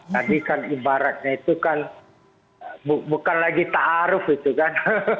tadi kan ibaratnya itu kan bukan lagi ta'aruf gitu kan